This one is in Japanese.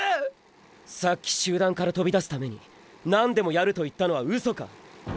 さっき集団からとびだすために「何でもやる」と言ったのはウソか？